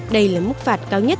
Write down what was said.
đây là mức phạt cao nhất